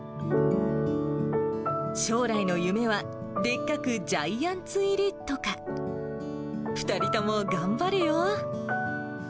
将来の夢は、でっかくジャイアンツ入りとか、２人とも、頑張れよー。